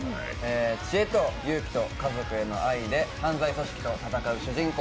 智恵と勇気と家族への愛で犯罪組織と戦う主人公。